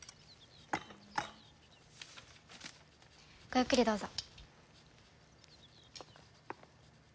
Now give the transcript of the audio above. ごゆっくりどうぞ。